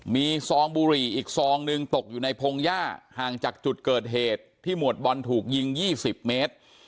มีซองบุหรี่อีกซองหนึ่งตกอยู่ในพงหญ้าห่างจากจุดเกิดเหตุที่หมวดบอลถูกยิง๒๐เมตร